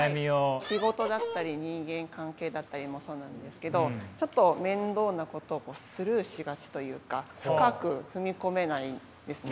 仕事だったり人間関係だったりもそうなんですけどちょっと面倒なことをスルーしがちというか深く踏み込めないんですね。